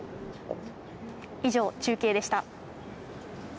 以上、中継でした。